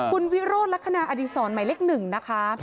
คุณวิโรธลักษณะอดีศรหมายเลข๑นะคะ